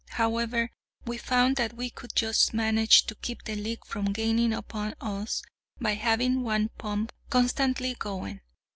However, we found that we could just manage to keep the leak from gaining upon us by having one pump constantly going.